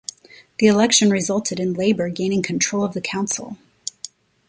The election resulted in Labour gaining control of the council.